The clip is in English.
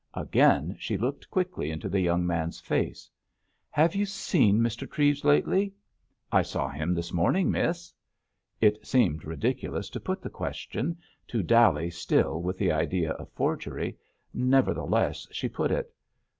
Again she looked quickly into the young man's face. "Have you seen Mr. Treves lately?" "I saw him this morning, miss." It seemed ridiculous to put the question, to dally still with the idea of forgery. Nevertheless, she put it.